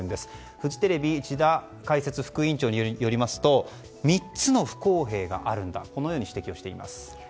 フジテレビ智田解説副委員長によりますと３つの不公平があるんだこのように指摘をしています。